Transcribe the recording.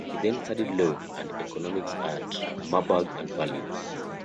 He then studied law and economics at Marburg and Berlin.